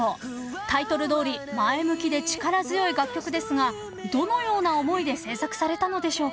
［タイトルどおり前向きで力強い楽曲ですがどのような思いで制作されたのでしょうか？］